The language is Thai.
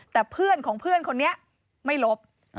แต่เพื่อนของเพื่อนคนนี้ไม่ลบ